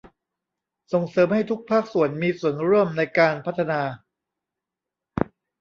ส่งเสริมให้ทุกภาคส่วนมีส่วนร่วมในการพัฒนา